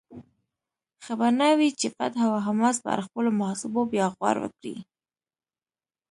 ښه به نه وي چې فتح او حماس پر خپلو محاسبو بیا غور وکړي؟